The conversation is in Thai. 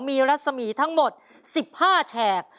มีรัศมีทั้งหมด๑๕แฉก